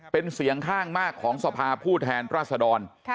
เป็นเสียงข้างมากของสภาผู้แทนราษดร